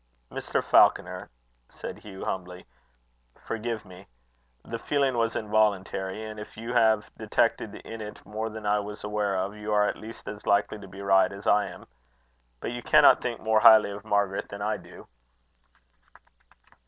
"Mr. Falconer," said Hugh humbly, "forgive me. The feeling was involuntary; and if you have detected in it more than I was aware of, you are at least as likely to be right as I am. But you cannot think more highly of Margaret than I do."